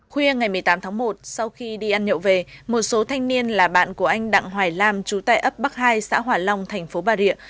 khuya ngày một mươi tám tháng một sau khi đi ăn nhậu về một số thanh niên là bạn của anh đặng hoài lam chú tệ ấp bắc hai xã hòa long tp bà rịa